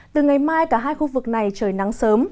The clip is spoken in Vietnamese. từ ngày mai cả hai khu vực này trời nắng sớm